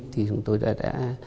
thì chúng tôi đã